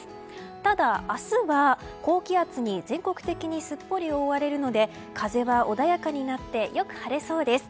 ただ、明日は高気圧に全国的にすっぽり覆われるので風は穏やかになってよく晴れそうです。